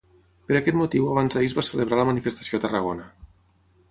Per aquest motiu abans d'ahir es va celebrar la manifestació a Tarragona.